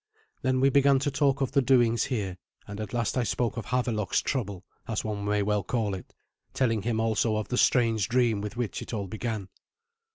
Then we began to talk of the doings here; and at last I spoke of Havelok's trouble, as one may well call it, telling him also of the strange dream with which it all began.